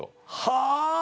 はあ。